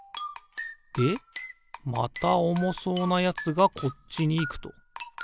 でまたおもそうなやつがこっちにいくと。